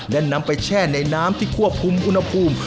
และนำไปแช่ในน้ำที่ควบคุมอุณหภูมิ